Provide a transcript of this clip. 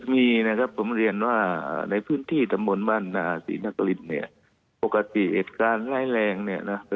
ไม่สินะครับผมเรียนว่าในพื้นที่สมุนบรรณศนสีนักลิ้นนี้ปกติเอกล้ายแรงเนี่ยนะ